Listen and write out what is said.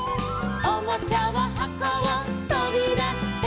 「おもちゃははこをとびだして」